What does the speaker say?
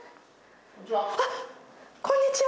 あっこんにちは。